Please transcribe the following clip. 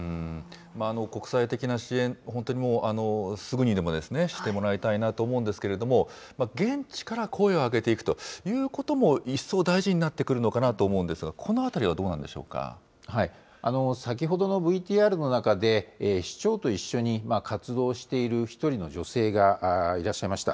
国際的な支援、本当にもう、すぐにでもしてもらいたいなと思うんですけれども、現地から声を上げていくということも一層大事になってくるのかなと思うんですが、このあたりはどうなんでしょ先ほどのＶＴＲの中で、市長と一緒に活動している１人の女性がいらっしゃいました。